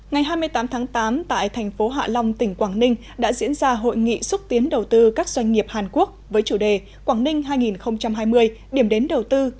ngày hai mươi tám tháng tám tại thành phố hạ long tỉnh quảng ninh đã diễn ra hội nghị xúc tiến đầu tư các doanh nghiệp hàn quốc với chủ đề quảng ninh hai nghìn hai mươi điểm đến đầu tư